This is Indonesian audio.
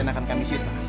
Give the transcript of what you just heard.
kalian akan kami sita